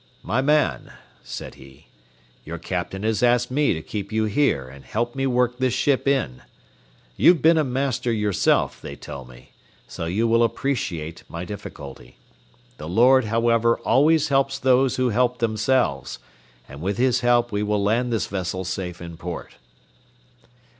"My man," said he, "your captain has asked me to keep you here and help me work this ship in. You've been a master yourself, they tell me, so you will appreciate my difficulty. The Lord, however, always helps those who help themselves, and with his help we will land this vessel safe in port."